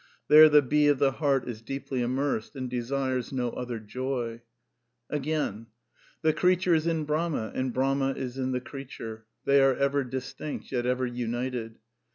There the bee of the heart is deeply immersed, and desires no other joy.*' Again: ''The creature is in Brahma, and Brahma is in the creature: they are ever distinct ; yet ever united.